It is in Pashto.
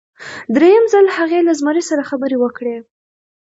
دریم ځل هغې له زمري سره خبرې وکړې.